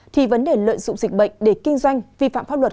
thì vấn đề lợi dụng dịch bệnh để kinh doanh vi phạm pháp luật